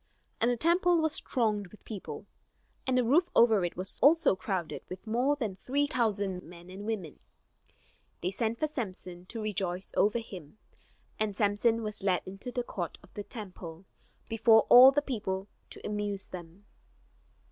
And the temple was thronged with people, and the roof over it was also crowded with more than three thousand men and women. They sent for Samson, to rejoice over him; and Samson was led into the court of the temple, before all the people, to amuse them.